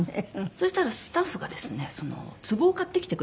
そしたらスタッフがですねつぼを買ってきてくれまして。